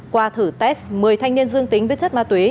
qua thử test một mươi thanh niên dương tính với chất ma túy